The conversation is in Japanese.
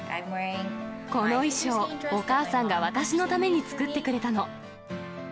この衣装、お母さんが私のために作ってくれたの。